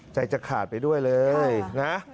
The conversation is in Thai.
จะขาดไปด้วยเลยนะ